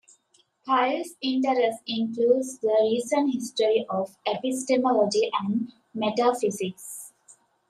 Pyle's interest includes the recent history of epistemology and metaphysics.